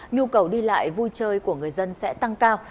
nhu cầu đi lại vui chơi của người dân sẽ tăng cao